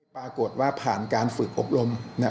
ปรากฏว่าผ่านการฝึกอบรม